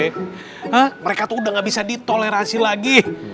hah mereka tuh udah nggak bisa ditolerasi lagi